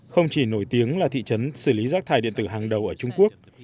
không chỉ nổi tiếng là thị trấn xử lý rác thải điện tử hàng đầu ở trung quốc